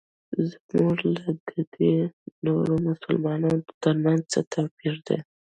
زموږ او ددې نورو مسلمانانو ترمنځ څه توپیر دی.